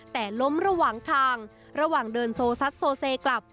แต่ล้มระหว่างทางระหว่างเดินโซซัดโซเซกลับ